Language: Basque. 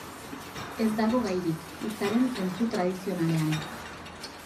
Ez dago gairik, hitzaren zentzu tradizionalean.